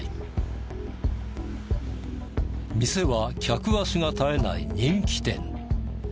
店は客足が絶えない人気店。